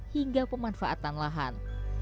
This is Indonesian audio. hingga pemanfaatan lahan